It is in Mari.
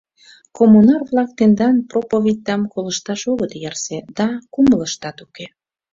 Коммунар-влак тендан проповедьдам колышташ огыт ярсе, да кумылыштат уке.